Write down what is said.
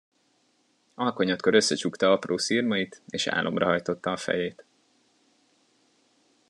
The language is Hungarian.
Alkonyatkor összecsukta apró szirmait, és álomra hajtotta a fejét.